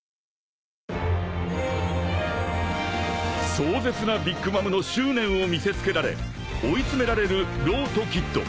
［壮絶なビッグ・マムの執念を見せつけられ追い詰められるローとキッド］